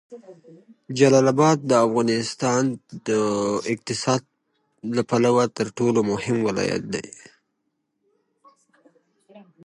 مزارشریف د افغانستان د تکنالوژۍ پرمختګ سره تړاو لري.